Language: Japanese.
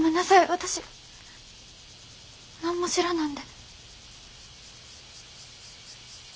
私何も知らなんで。